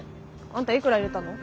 あんたいくら入れたの？